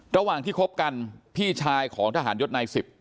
ระหว่างที่คบกันพี่ชายของทหารยศนาย๑๐